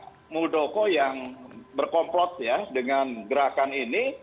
pak muldoko yang berkomplot ya dengan gerakan ini